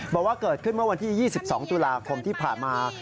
บอกว่าเกิดขึ้นเมื่อวันที่๒๒ตุลาคมที่ผ่านมา